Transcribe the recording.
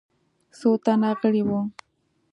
څو تنه غړي وه.